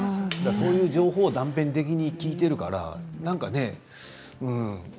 情報を断片的に聞いているから、何かね。